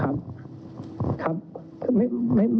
เรามีการปิดบันทึกจับกลุ่มเขาหรือหลังเกิดเหตุแล้วเนี่ย